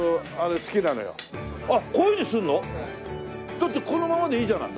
だってこのままでいいじゃない。